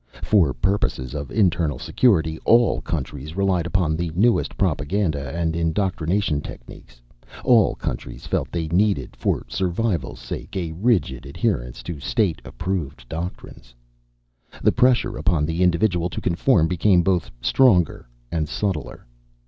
For purposes of internal security, all countries relied upon the newest propaganda and indoctrination techniques. All countries felt they needed, for survival's sake, a rigid adherence to state approved doctrines. The pressure upon the individual to conform became both stronger and subtler.